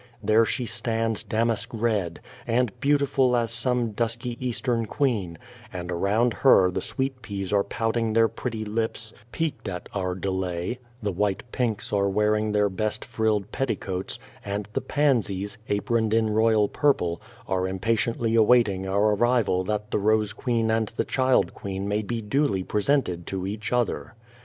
There she stands damask red, and beautiful as some dusky Eastern queen, and around her the sweet peas are pouting their pretty lips, piqued at our delay, the white pinks are wearing their best frilled petticoats, and the pansies, aproned in royal purple, are impatiently awaiting our arrival that the rose queen and the child queen may be duly presented to each other.